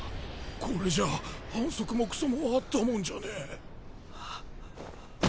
これじゃ反則もクソもあったもんじゃねえ。